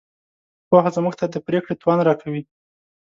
پوهه موږ ته د پرېکړې توان راکوي.